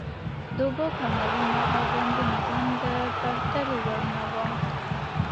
د اوبو کانالونه او بندونه هم د پرتلې وړ نه وو.